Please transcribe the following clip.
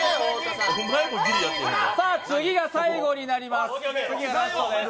次が最後になります。